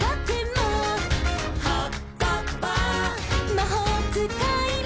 「まほうつかいも」